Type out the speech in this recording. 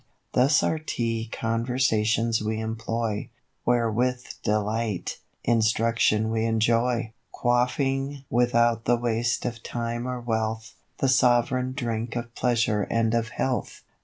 Thus our Tea conversations we employ, Where with delight, instruction we enjoy, Quaffing without the waste of time or wealth, The sovereign drink of pleasure and of health."